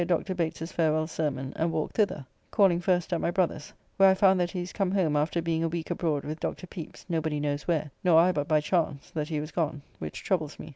] and so I had a mind to hear Dr. Bates's farewell sermon, and walked thither, calling first at my brother's, where I found that he is come home after being a week abroad with Dr. Pepys, nobody knows where, nor I but by chance, that he was gone, which troubles me.